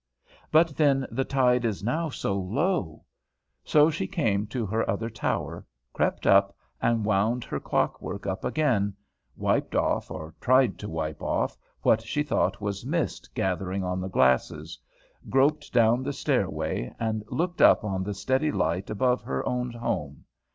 But then the tide is now so low! So she came to her other tower, crept up and wound her clock work up again, wiped off, or tried to wipe off, what she thought was mist gathering on the glasses, groped down the stairway, and looked up on the steady light above her own home.